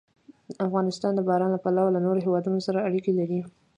افغانستان د باران له پلوه له نورو هېوادونو سره اړیکې لري.